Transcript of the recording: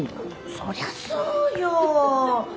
そりゃそうよ。